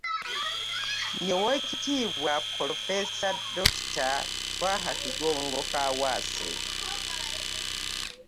Ye Oweekitiibwa Ppulofeesa Dokita Twaha Kigongo Kaawaase,